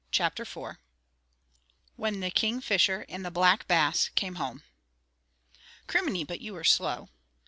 Chapter IV WHEN THE KINGFISHER AND THE BLACK BASS CAME HOME "Crimminy, but you are slow."